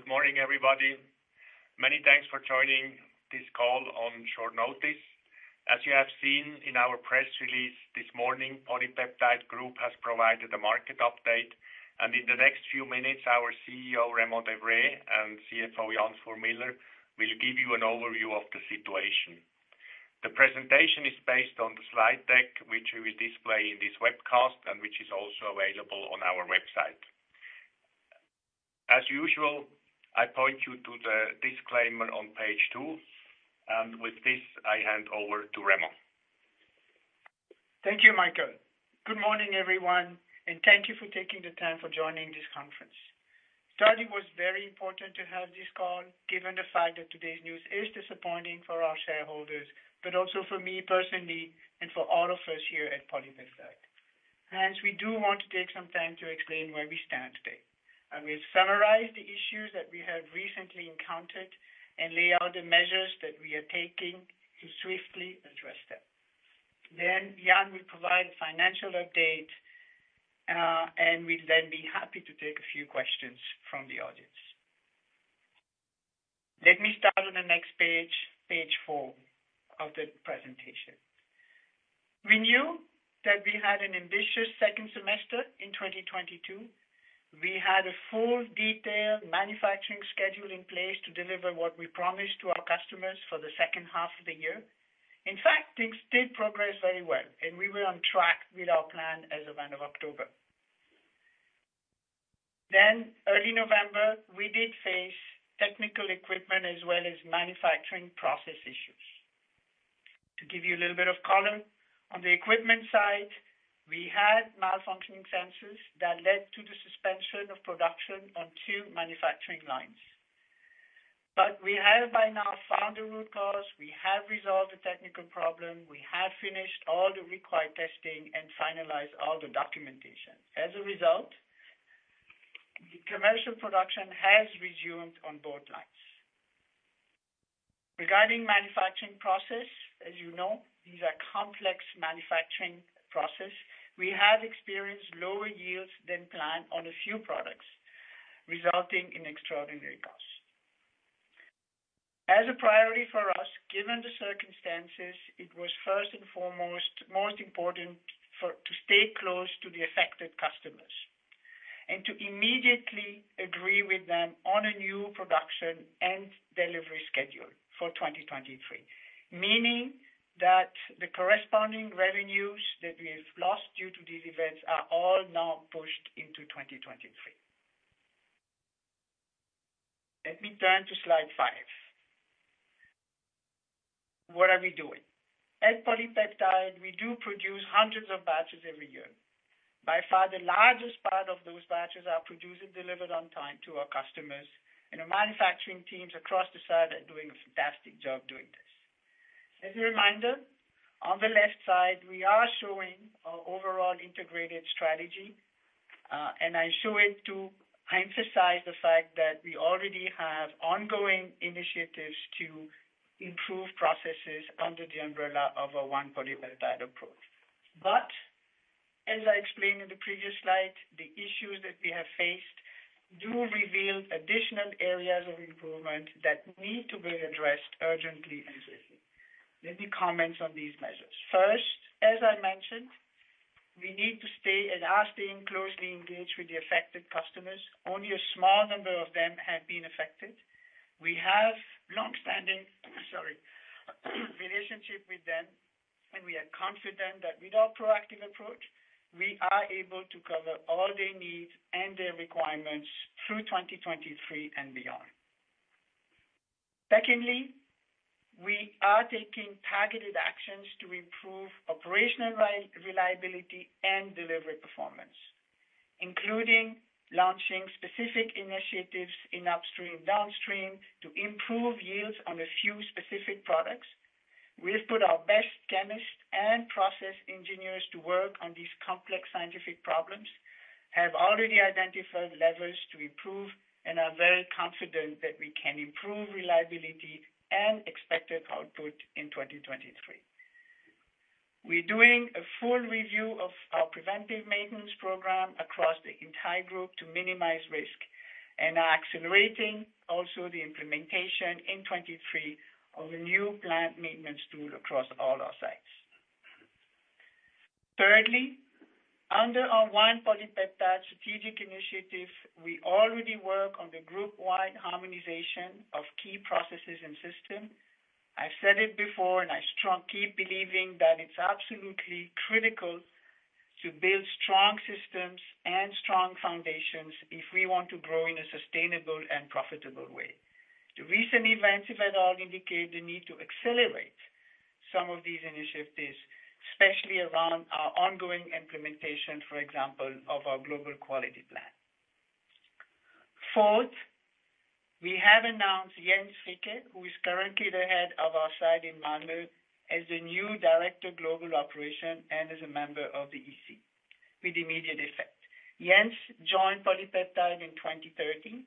Good morning, everybody. Many thanks for joining this call on short notice. As you have seen in our press release this morning, PolyPeptide Group has provided a market update. In the next few minutes, our CEO, Raymond De Vré, and CFO, Jan Fuhr Miller, will give you an overview of the situation. The presentation is based on the slide deck, which we will display in this webcast and which is also available on our website. As usual, I point you to the disclaimer on page two. With this, I hand over to Raymond. Thank you, Michael. Good morning, everyone, thank you for taking the time for joining this conference. Today was very important to have this call, given the fact that today's news is disappointing for our shareholders, but also for me personally and for all of us here at PolyPeptide. We do want to take some time to explain where we stand today. We'll summarize the issues that we have recently encountered and lay out the measures that we are taking to swiftly address them. Jan will provide a financial update, and we'll then be happy to take a few questions from the audience. Let me start on the next page, page four of the presentation. We knew that we had an ambitious second semester in 2022. We had a full detailed manufacturing schedule in place to deliver what we promised to our customers for the second half of the year. In fact, things did progress very well, and we were on track with our plan as of end of October. Early November, we did face technical equipment as well as manufacturing process issues. To give you a little bit of color, on the equipment side, we had malfunctioning sensors that led to the suspension of production on two manufacturing lines. We have by now found a root cause. We have resolved the technical problem. We have finished all the required testing and finalized all the documentation. As a result, the commercial production has resumed on both lines. Regarding manufacturing process, as you know, these are complex manufacturing process. We have experienced lower yields than planned on a few products, resulting in extraordinary costs. As a priority for us, given the circumstances, it was first and foremost, most important to stay close to the affected customers and to immediately agree with them on a new production and delivery schedule for 2023. Meaning that the corresponding revenues that we've lost due to these events are all now pushed into 2023. Let me turn to slide five. What are we doing? At PolyPeptide, we do produce hundreds of batches every year. By far, the largest part of those batches are produced and delivered on time to our customers, and our manufacturing teams across the site are doing a fantastic job doing this. As a reminder, on the left side, we are showing our overall integrated strategy, and I show it to emphasize the fact that we already have ongoing initiatives to improve processes under the umbrella of our one PolyPeptide approach. As I explained in the previous slide, the issues that we have faced do reveal additional areas of improvement that need to be addressed urgently and swiftly. Let me comment on these measures. First, as I mentioned, we need to stay and are staying closely engaged with the affected customers. Only a small number of them have been affected. We have long-standing, sorry, relationship with them, and we are confident that with our proactive approach, we are able to cover all their needs and their requirements through 2023 and beyond. Secondly, we are taking targeted actions to improve operational reliability and delivery performance, including launching specific initiatives in upstream, downstream to improve yields on a few specific products. We've put our best chemists and process engineers to work on these complex scientific problems, have already identified levers to improve and are very confident that we can improve reliability and expected output in 2023. We're doing a full review of our preventive maintenance program across the entire group to minimize risk and are accelerating also the implementation in 2023 of a new plant maintenance tool across all our sites. Thirdly, under our one PolyPeptide strategic initiative, we already work on the group wide harmonization of key processes and system. I've said it before and I strong keep believing that it's absolutely critical to build strong systems and strong foundations if we want to grow in a sustainable and profitable way. The recent events, if at all, indicate the need to accelerate some of these initiatives, especially around our ongoing implementation, for example, of our global quality plan. Fourth, we have announced Jens Fricke, who is currently the head of our site in Malmö, as a new Director Global Operations and as a member of the EC with immediate effect. Jens joined Polypeptide in 2013,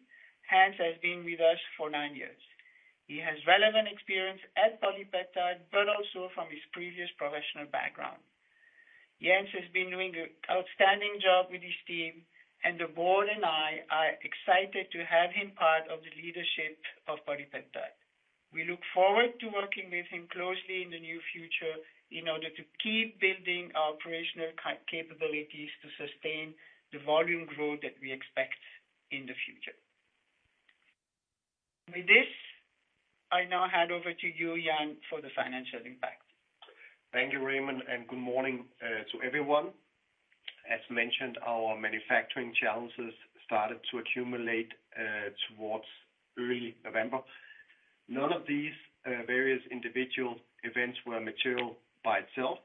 hence has been with us for nine years. He has relevant experience at Polypeptide, but also from his previous professional background. Jens has been doing outstanding job with his team, and the board and I are excited to have him part of the leadership of Polypeptide. We look forward to working with him closely in the near future in order to keep building our operational capabilities to sustain the volume growth that we expect in the future. With this, I now hand over to you, Jan, for the financial impact. Thank you, Raymond. Good morning to everyone. As mentioned, our manufacturing challenges started to accumulate towards early November. None of these various individual events were material by itself.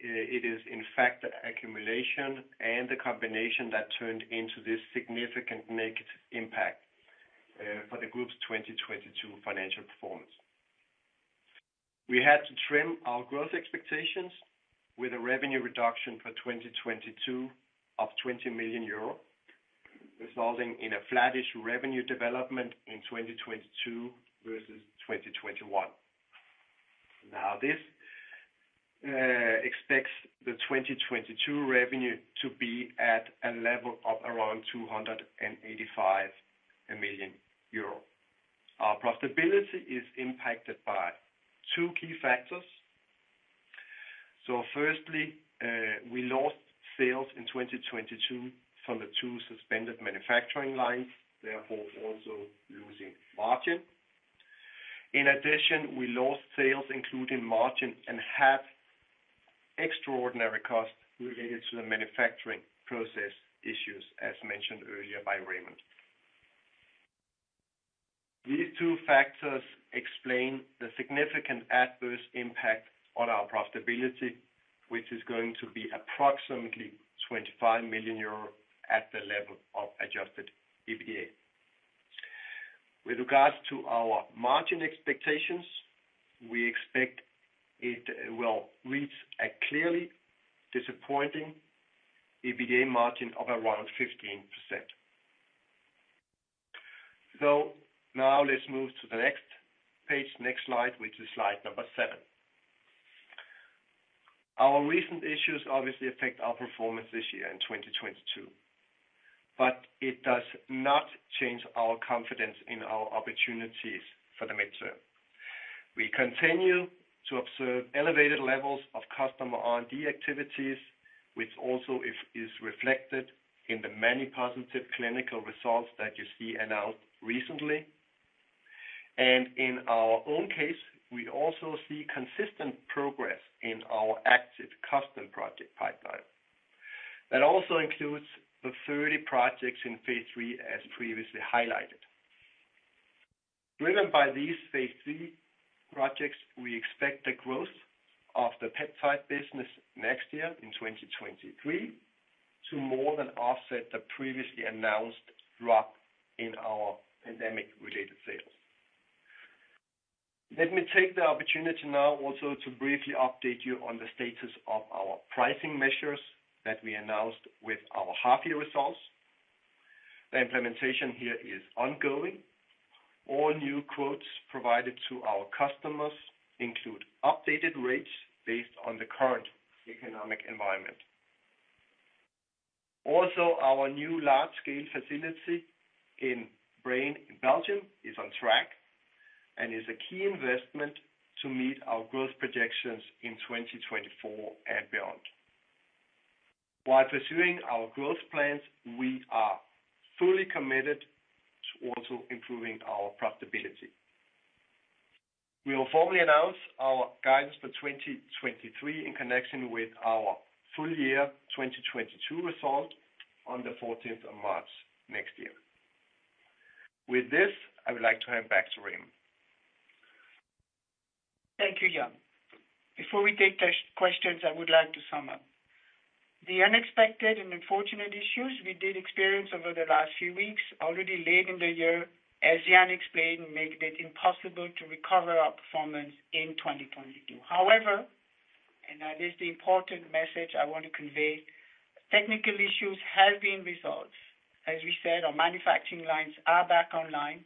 It is in fact the accumulation and the combination that turned into this significant negative impact for the group's 2022 financial performance. We had to trim our growth expectations with a revenue reduction for 2022 of 20 million euro, resulting in a flattish revenue development in 2022 versus 2021. This expects the 2022 revenue to be at a level of around 285 million euro. Our profitability is impacted by two key factors. Firstly, we lost sales in 2022 from the two suspended manufacturing lines, therefore also losing margin. We lost sales including margin and had extraordinary costs related to the manufacturing process issues, as mentioned earlier by Raymond. These two factors explain the significant adverse impact on our profitability, which is going to be approximately 25 million euro at the level of adjusted EBITDA. With regards to our margin expectations, we expect it will reach a clearly disappointing EBITDA margin of around 15%. Now let's move to the next page, next slide, which is slide number seven. Our recent issues obviously affect our performance this year in 2022, it does not change our confidence in our opportunities for the midterm. We continue to observe elevated levels of customer R&D activities, which also is reflected in the many positive clinical results that you see announced recently. In our own case, we also see consistent progress in our active custom project pipeline. That also includes the 30 projects in Phase III as previously highlighted. Driven by these Phase III projects, we expect the growth of the peptide business next year in 2023 to more than offset the previously announced drop in our pandemic-related sales. Let me take the opportunity now also to briefly update you on the status of our pricing measures that we announced with our half-year results. The implementation here is ongoing. All new quotes provided to our customers include updated rates based on the current economic environment. Also, our new large-scale facility in Braine, Belgium, is on track and is a key investment to meet our growth projections in 2024 and beyond. While pursuing our growth plans, we are fully committed to also improving our profitability. We will formally announce our guidance for 2023 in connection with our full year 2022 results on the 14th of March next year. With this, I would like to hand back to Raymond. Thank you, Jan. Before we take questions, I would like to sum up. The unexpected and unfortunate issues we did experience over the last few weeks already late in the year, as Jan explained, make it impossible to recover our performance in 2022. However, and that is the important message I want to convey, technical issues have been resolved. As we said, our manufacturing lines are back online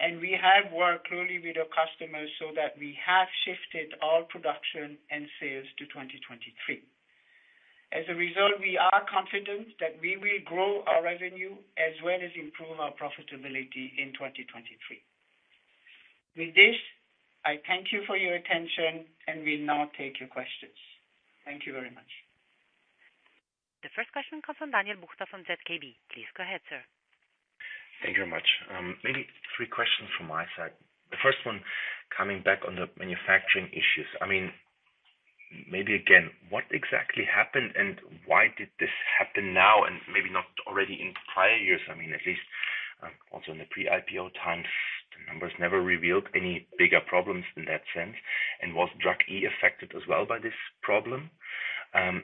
and we have worked closely with our customers so that we have shifted all production and sales to 2023. As a result, we are confident that we will grow our revenue as well as improve our profitability in 2023. With this, I thank you for your attention, and we now take your questions. Thank you very much. The first question comes from Daniel Buchta from ZKB. Please go ahead, sir. Thank you very much. Maybe three questions from my side. The first one coming back on the manufacturing issues. I mean, maybe again, what exactly happened and why did this happen now and maybe not already in prior years? I mean, at least, also in the pre-IPO times, the numbers never revealed any bigger problems in that sense. Was drug E affected as well by this problem?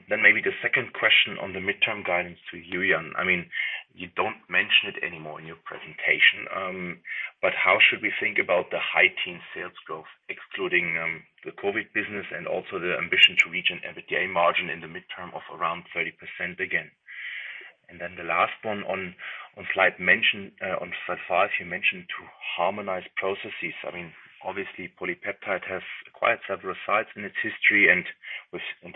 Maybe the second question on the midterm guidance to you, Jan. I mean, you don't mention it anymore in your presentation, how should we think about the high teen sales growth, excluding the COVID business and also the ambition to reach an EBITDA margin in the midterm of around 30% again? The last one on slide five, you mentioned to harmonize processes. I mean, obviously, PolyPeptide has acquired several sites in its history and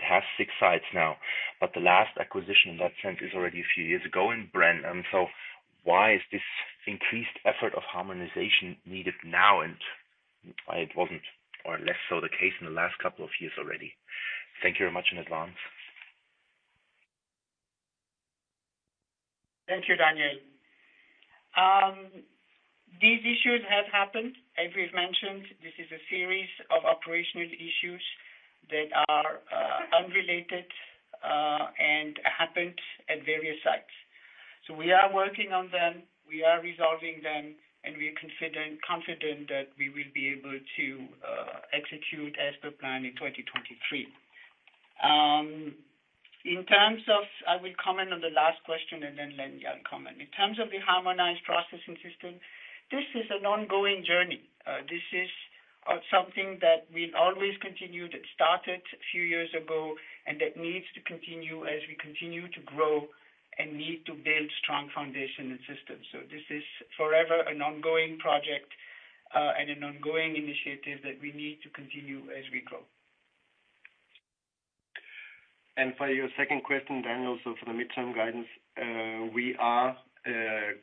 has six sites now. The last acquisition in that sense is already a few years ago in Braine-l'Alleud. Why is this increased effort of harmonization needed now, and why it wasn't, or less so the case in the last couple of years already? Thank you very much in advance. Thank you, Daniel. These issues have happened. As we've mentioned, this is a series of operational issues that are unrelated and happened at various sites. We are working on them, we are resolving them, and we are confident that we will be able to execute as per plan in 2023. I will comment on the last question and then let Jan comment. In terms of the harmonized processing system, this is an ongoing journey. This is something that we've always continued. It started a few years ago, and it needs to continue as we continue to grow and need to build strong foundation and systems. This is forever an ongoing project and an ongoing initiative that we need to continue as we grow. For your second question, Daniel, so for the midterm guidance, we are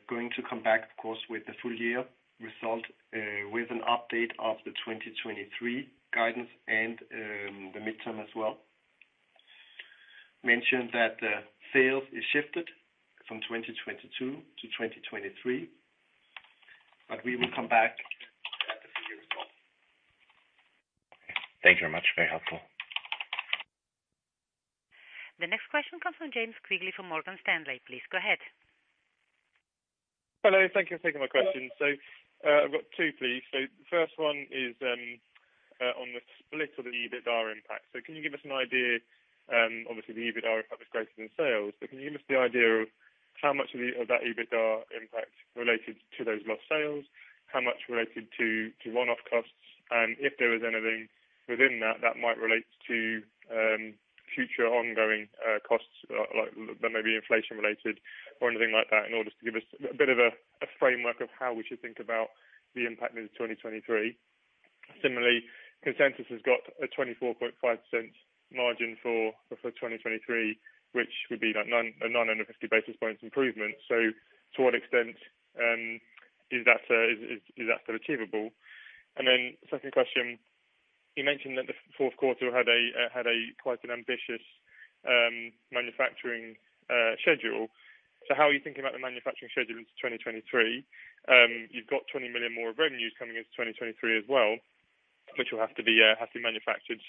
going to come back, of course, with the full year result, with an update of the 2023 guidance and the midterm as well. Mention that the sales is shifted from 2022 to 2023, we will come back at the full year as well. Thank you very much. Very helpful. The next question comes from James Quigley from Morgan Stanley. Please go ahead. Hello. Thank you for taking my question. I've got two, please. The first one is on the split of the EBITDA impact. Can you give us an idea, obviously the EBITDA impact is greater than sales, but can you give us the idea of how much of that EBITDA impact related to those lost sales, how much related to one-off costs, and if there is anything within that that might relate to future ongoing costs, like that may be inflation related or anything like that, in order to give us a bit of a framework of how we should think about the impact into 2023. Similarly, consensus has got a 24.5% margin for 2023, which would be like a 950 basis points improvement. To what extent is that still achievable? Second question, you mentioned that the fourth quarter had a quite an ambitious manufacturing schedule. How are you thinking about the manufacturing schedule into 2023? You've got 20 million more of revenues coming into 2023 as well, which will have to be manufactured.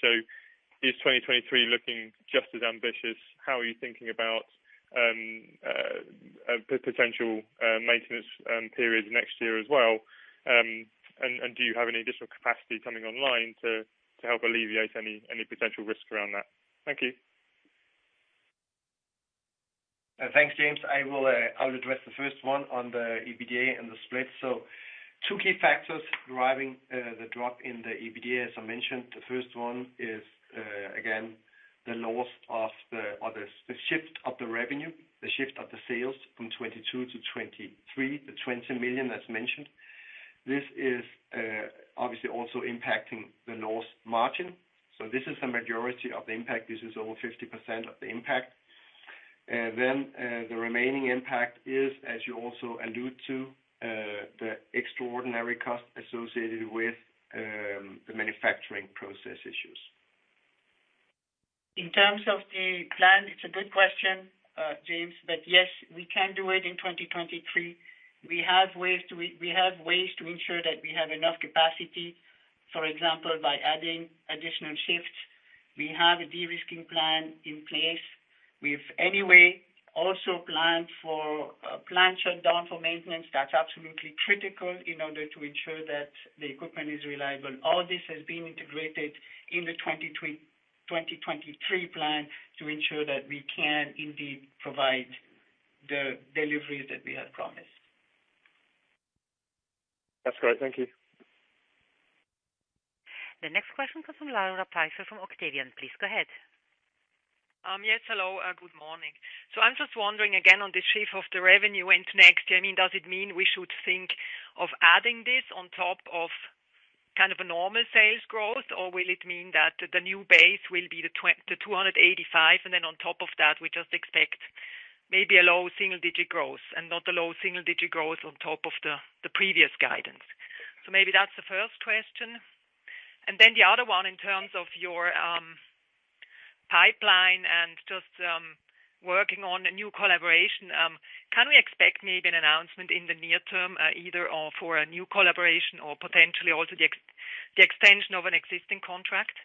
Is 2023 looking just as ambitious? How are you thinking about potential maintenance periods next year as well? And do you have any additional capacity coming online to help alleviate any potential risk around that? Thank you. Thanks, James. I will, I'll address the first one on the EBITDA and the split. Two key factors driving the drop in the EBITDA, as I mentioned. The first one is again, the loss of the shift of the revenue, the shift of the sales from 2022 to 2023, the 20 million as mentioned. This is obviously also impacting the loss margin. This is the majority of the impact. This is over 50% of the impact. Then, the remaining impact is, as you also allude to, the extraordinary cost associated with the manufacturing process issues. In terms of the plan, it's a good question, James, but yes, we can do it in 2023. We have ways to ensure that we have enough capacity, for example, by adding additional shifts. We have a de-risking plan in place. We've anyway also planned for a plant shutdown for maintenance. That's absolutely critical in order to ensure that the equipment is reliable. All this has been integrated in the 2023 plan to ensure that we can indeed provide the deliveries that we have promised. That's great. Thank you. The next question comes from Laura Pfeifer-Rossi from Octavian. Please go ahead. Yes, hello, good morning. I'm just wondering again on the shift of the revenue into next year, I mean, does it mean we should think of adding this on top of kind of a normal sales growth, or will it mean that the new base will be the 285, and then on top of that, we just expect maybe a low single-digit growth and not a low single-digit growth on top of the previous guidance? Maybe that's the first question. The other one in terms of your pipeline and just working on a new collaboration, can we expect maybe an announcement in the near term, either or for a new collaboration or potentially also the extension of an existing contract?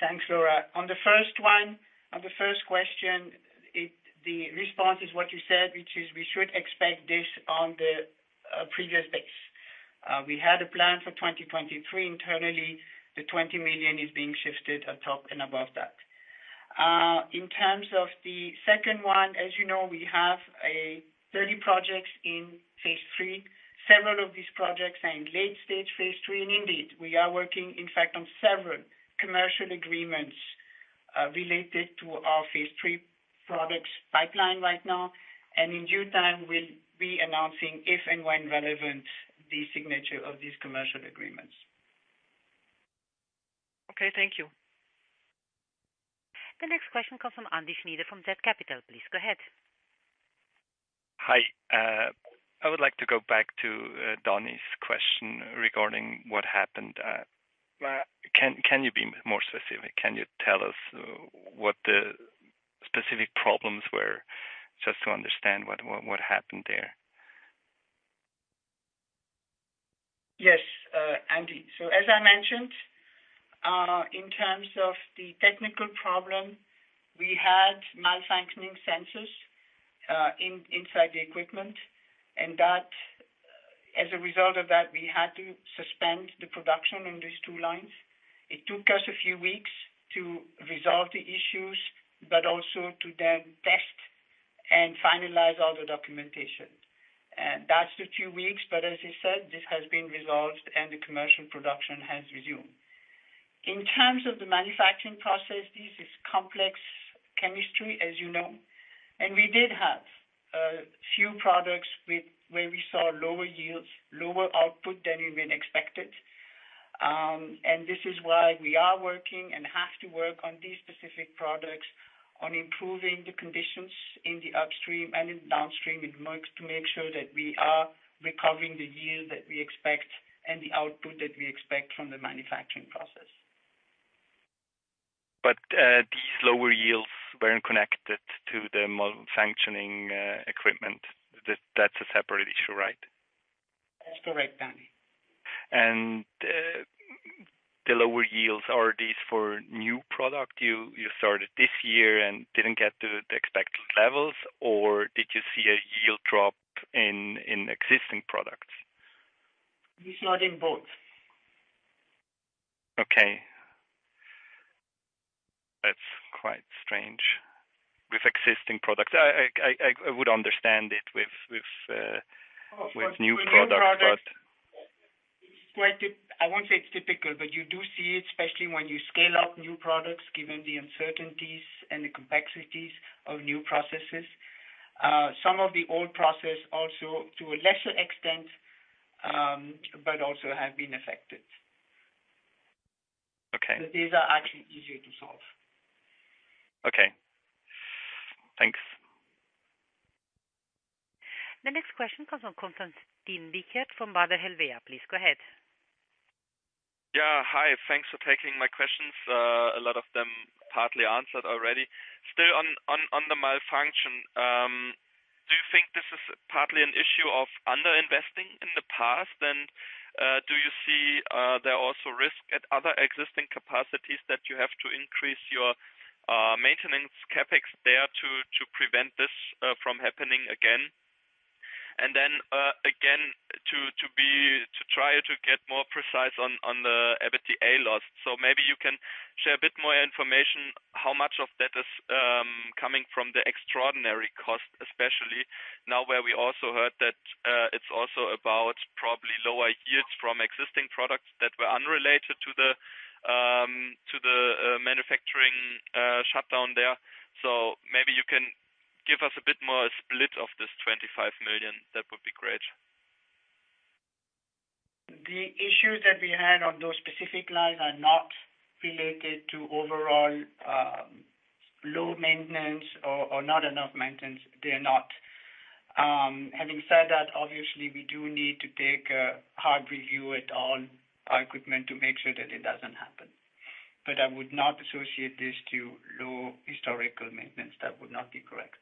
Thanks, Laura. On the first one, on the first question, the response is what you said, which is we should expect this on the previous base. We had a plan for 2023 internally. The 20 million is being shifted atop and above that. In terms of the second one, as you know, we have 30 projects in Phase III. Several of these projects are in late stage Phase III, and indeed, we are working, in fact, on several commercial agreements related to our Phase III products pipeline right now. In due time, we'll be announcing, if and when relevant, the signature of these commercial agreements. Okay. Thank you. The next question comes from Andy Schnyder from zCapital. Please go ahead. Hi. I would like to go back to Danny's question regarding what happened. Can you be more specific? Can you tell us what the specific problems were just to understand what happened there? Andy. As I mentioned, in terms of the technical problem, we had malfunctioning sensors inside the equipment. As a result of that, we had to suspend the production in these two lines. It took us a few weeks to resolve the issues, but also to then test and finalize all the documentation. That's the two weeks, as I said, this has been resolved and the commercial production has resumed. In terms of the manufacturing process, this is complex chemistry, as you know, we did have a few products where we saw lower yields, lower output than we had expected. This is why we are working and have to work on these specific products on improving the conditions in the upstream and in downstream. It works to make sure that we are recovering the yield that we expect and the output that we expect from the manufacturing process. These lower yields weren't connected to the malfunctioning equipment. That's a separate issue, right? That's correct, Andy. The lower yields, are these for new product you started this year and didn't get the expected levels, or did you see a yield drop in existing products? It's not in both. Okay. That's quite strange. With existing products, I would understand it with new products. With new products, it's quite I won't say it's typical, but you do see it, especially when you scale up new products, given the uncertainties and the complexities of new processes. Some of the old process also to a lesser extent, but also have been affected. Okay. These are actually easier to solve. Okay. Thanks. The next question comes from Konstantin Wiechert from Baader Helvea. Please go ahead. Yeah. Hi. Thanks for taking my questions. A lot of them partly answered already. Still on, on the malfunction, do you think this is partly an issue of under-investing in the past? Do you see there are also risks at other existing capacities that you have to increase your maintenance CapEx there to prevent this from happening again? Again, to try to get more precise on the EBITDA loss. Maybe you can share a bit more information, how much of that is coming from the extraordinary cost, especially now where we also heard that it's also about probably lower yields from existing products that were unrelated to the to the manufacturing shutdown there. Maybe you can give us a bit more split of this 25 million. That would be great. The issues that we had on those specific lines are not related to overall, low maintenance or not enough maintenance. They are not. Having said that, obviously, we do need to take a hard review at all our equipment to make sure that it doesn't happen. I would not associate this to low historical maintenance. That would not be correct.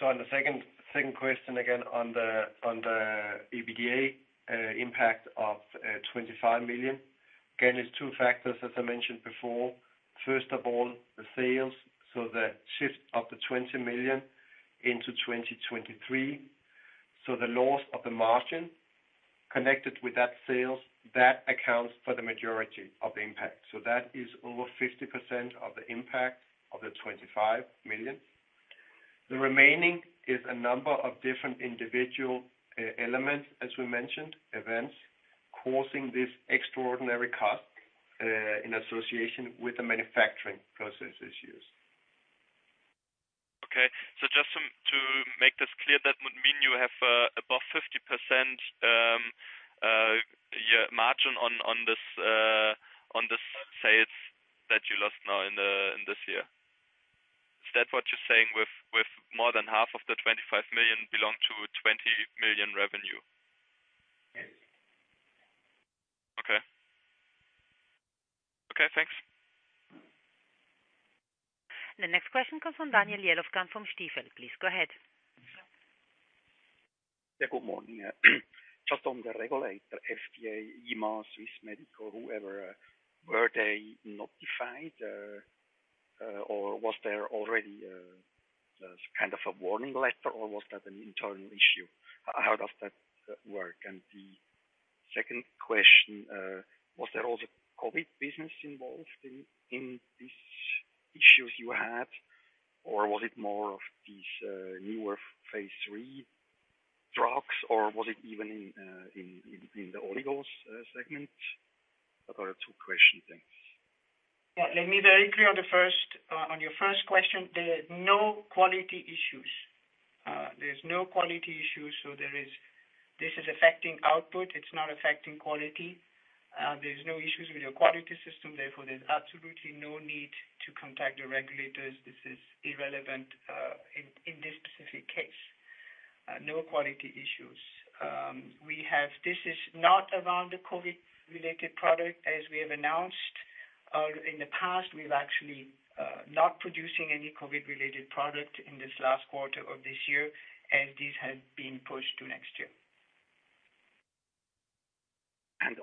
On the second question, again, on the EBITDA impact of 25 million. It's two factors, as I mentioned before. First of all, the sales, the shift of the 20 million into 2023. The loss of the margin connected with that sales, that accounts for the majority of impact. That is over 50% of the impact of the 25 million. The remaining is a number of different individual elements, as we mentioned, events causing this extraordinary cost in association with the manufacturing process issues. Okay. Just to make this clear, that would mean you have above 50% margin on this on the sales that you lost now in this year. Is that what you're saying with more than half of the 25 million belong to a 20 million revenue? Yes. Okay. Okay, thanks. The next question comes from Daniel Jelovcan from Stifel. Please go ahead. Yeah, good morning. Just on the regulator, FDA, EMA, Swissmedic, whoever, were they notified, or was there already, just kind of a warning letter, or was that an internal issue? How does that work? The second question, was there also COVID business involved in these issues you had, or was it more of these, newer Phase III? Drugs or was it even in the oligos, segment? About two questions, thanks. Yeah, let me be very clear on the first, on your first question, there are no quality issues. There's no quality issues. This is affecting output, it's not affecting quality. There's no issues with your quality system, therefore, there's absolutely no need to contact the regulators. This is irrelevant, in this specific case. No quality issues. This is not around the COVID-related product. As we have announced, in the past, we're actually not producing any COVID-related product in this last quarter of this year, and this has been pushed to next year.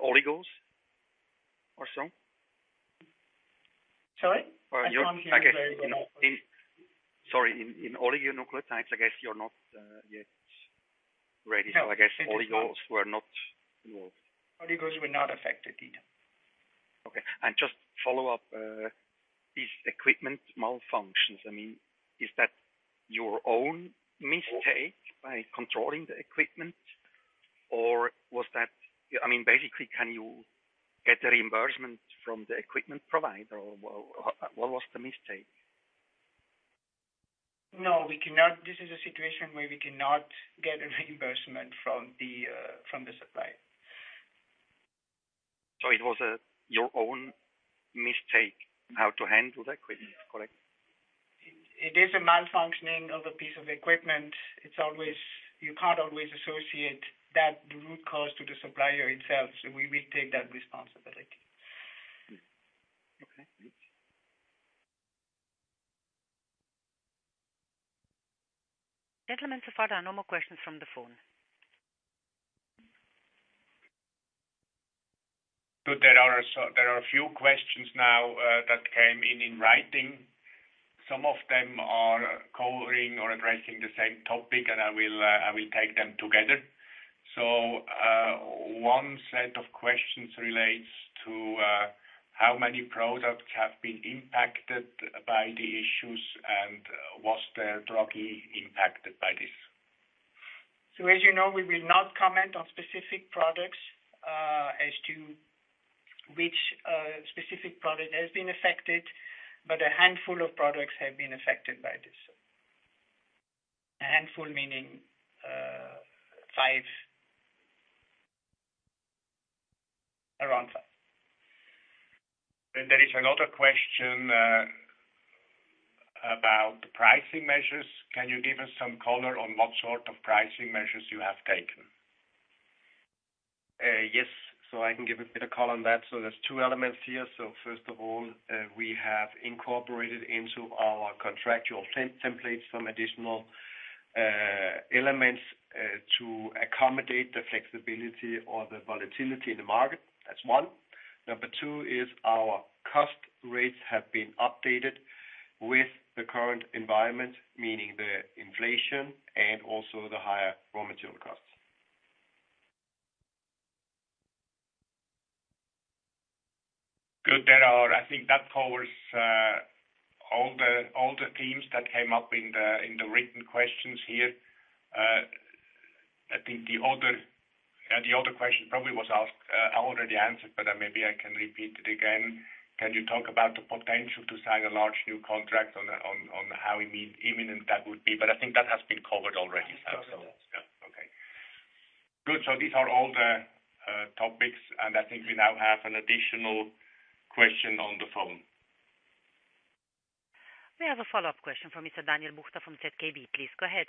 Oligos or so? Sorry? I can't hear you very well. Sorry, in oligonucleotides, I guess you're not yet ready. No. I guess oligos were not involved. Oligos were not affected either. Okay. Just follow up, these equipment malfunctions, I mean, is that your own mistake by controlling the equipment? I mean, basically, can you get a reimbursement from the equipment provider, or what was the mistake? No, we cannot. This is a situation where we cannot get a reimbursement from the supplier. It was, your own mistake how to handle the equipment, correct? It is a malfunctioning of a piece of equipment. You can't always associate that root cause to the supplier itself, we will take that responsibility. Okay. Gentlemen, so far there are no more questions from the phone. Good. There are a few questions now, that came in writing. Some of them are covering or addressing the same topic, and I will, I will take them together. One set of questions relates to, how many products have been impacted by the issues, and was the drug impacted by this? As you know, we will not comment on specific products, as to which specific product has been affected, but a handful of products have been affected by this. A handful meaning, five? Around five. There is another question, about the pricing measures. Can you give us some color on what sort of pricing measures you have taken? Yes. I can give a bit of color on that. There's two elements here. First of all, we have incorporated into our contractual templates some additional elements to accommodate the flexibility or the volatility in the market. That's one. Number two is our cost rates have been updated with the current environment, meaning the inflation and also the higher raw material costs. Good. I think that covers all the, all the themes that came up in the, in the written questions here. I think the other, the other question probably was asked, I already answered, but maybe I can repeat it again. Can you talk about the potential to sign a large new contract on the on how imminent that would be? I think that has been covered already. I think so, yes. Yeah. Okay. Good. These are all the topics, and I think we now have an additional question on the phone. We have a follow-up question from Mr. Daniel Buchta from ZKB. Please, go ahead.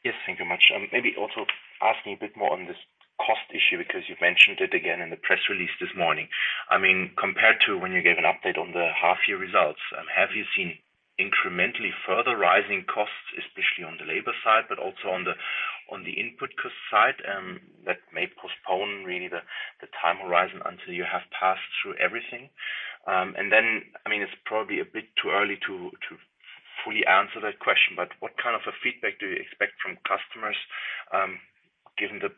Yes. Thank you much. Maybe also asking a bit more on this cost issue because you've mentioned it again in the press release this morning. I mean, compared to when you gave an update on the half-year results, have you seen incrementally further rising costs, especially on the labor side, but also on the input side, that may postpone really the time horizon until you have passed through everything? And then, I mean, it's probably a bit too early to fully answer that question, but what kind of a feedback do you expect from customers, given the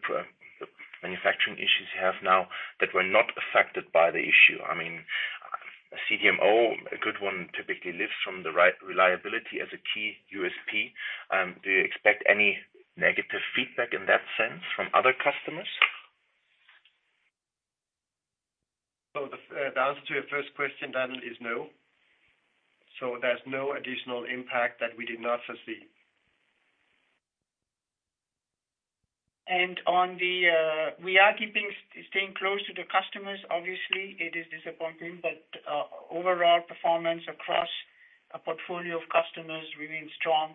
manufacturing issues you have now that were not affected by the issue? I mean, a CDMO, a good one, typically lives from the reliability as a key USP. Do you expect any negative feedback in that sense from other customers? The answer to your first question, Daniel, is no. There's no additional impact that we did not foresee. On the, we are staying close to the customers. Obviously, it is disappointing, but overall performance across a portfolio of customers remains strong,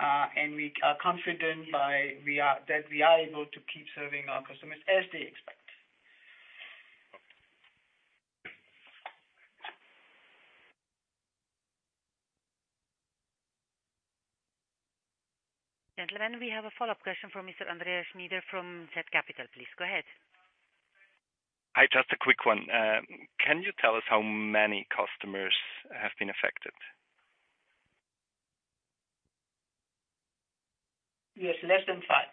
and we are confident that we are able to keep serving our customers as they expect. Okay. Gentlemen, we have a follow-up question from Mr. Andy Schnyder from zCapital. Please, go ahead. Hi. Just a quick one. Can you tell us how many customers have been affected? Yes, less than five.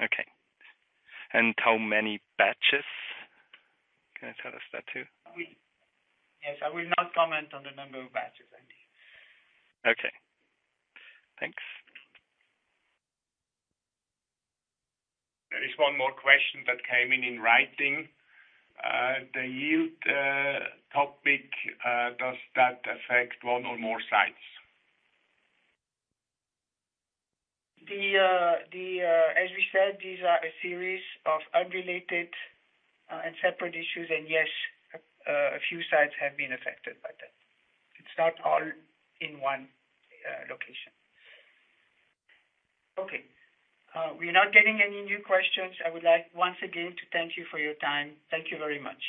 Okay. How many batches? Can you tell us that too? Yes, I will not comment on the number of batches, Andy. Okay. Thanks. There is one more question that came in in writing. The yield topic, does that affect one or more sites? As we said, these are a series of unrelated and separate issues. Yes, a few sites have been affected by that. It's not all in one location. Okay. We're not getting any new questions. I would like once again to thank you for your time. Thank you very much.